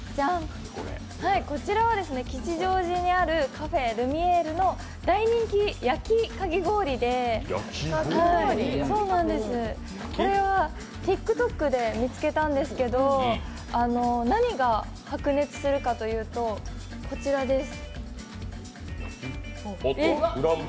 こちらは吉祥寺にあるｃａｆｅＬｕｍｉｅｒｅの大人気焼きかき氷でこれはＴｉｋＴｏｋで見つけたんですけど何が白熱するかというと、こちらです。